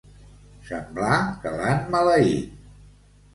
Semblar que l'han maleït.